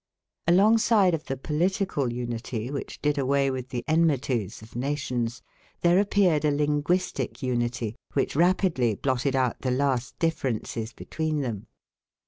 Alongside of the political unity which did away with the enmities of nations, there appeared a linguistic unity which rapidly blotted out the last differences between them.